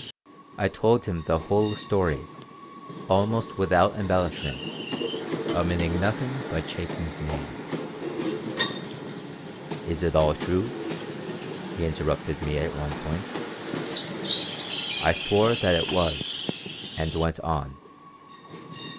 I told him the whole story, almost without embellishments, omitting nothing but Chaikin's name "Is it all true?" he interrupted me at one point I swore that it was, and went on.